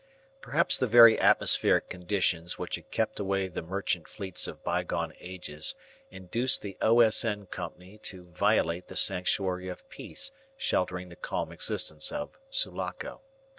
Perhaps the very atmospheric conditions which had kept away the merchant fleets of bygone ages induced the O.S.N. Company to violate the sanctuary of peace sheltering the calm existence of Sulaco.